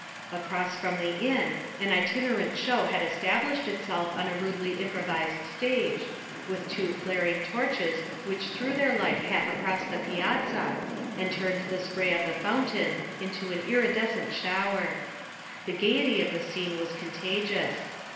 Across from the inn an itinerant show had established itself on a rudely improvised stage, with two flaring torches which threw their light half across the piazza, and turned the spray of the fountain into an iridescent shower. The gaiety of the scene was contagious.